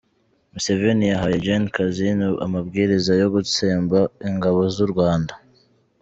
Museveni yahaye Gen Kazini amabwiriza yo gutsemba Ingabo z’u Rwanda.